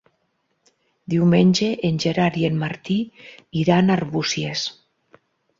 Diumenge en Gerard i en Martí iran a Arbúcies.